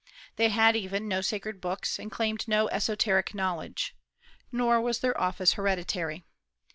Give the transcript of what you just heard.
They had even no sacred books, and claimed no esoteric knowledge. Nor was their office hereditary.